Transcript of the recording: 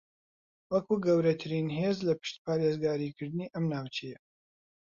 وەکو گەورەترین ھێز لە پشت پارێزگاریکردنی ئەم ناوچەیە